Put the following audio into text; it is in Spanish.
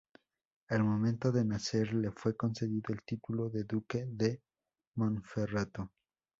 Al momento de nacer, le fue concedido el título de Duque de Monferrato.